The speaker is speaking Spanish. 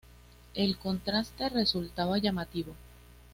El contraste resultaba llamativo.